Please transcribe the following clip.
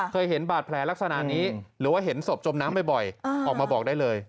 เคยเห็นบาดแผลลักษณะนี้หรือว่าเห็นศพจมน้ำบ่อยออกมาบอกได้เลย